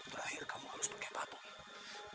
terakhir kamu harus pakai papan